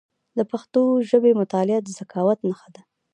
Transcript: د پښتو ژبي مطالعه د ذکاوت نښه ده.